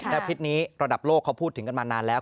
และพิษนี้ระดับโลกเขาพูดถึงกันมานานแล้ว